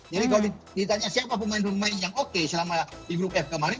jadi kalau ditanya siapa pemain pemain yang oke selama di grup ffa kemarin